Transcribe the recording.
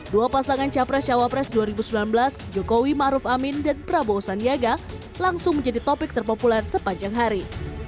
dua pasangan capres cawa pres dua ribu sembilan belas jokowi ma'ruf amin dan prabowo sandiaga langsung menjadi topik terpopuler sepanjang hari